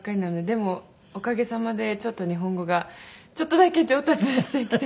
でもおかげさまでちょっと日本語がちょっとだけ上達してきて。